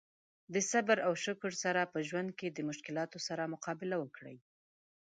د صبر او شکر سره په ژوند کې د مشکلاتو سره مقابله وکړي.